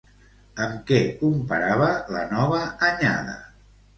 Amb què comparava la nova anyada?